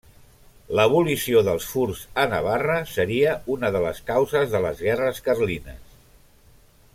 L'abolició dels furs a Navarra seria una de les causes de les Guerres carlines.